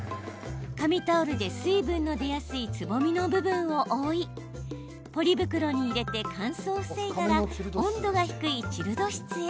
紙タオルで水分の出やすいつぼみの部分を覆いポリ袋に入れて乾燥を防いだら温度が低いチルド室へ。